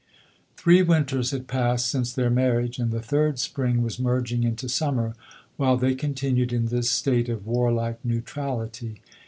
Three winters had passed since their mar riage, and the third spring was merging into summer, while they continued in this state of warlike neutrality.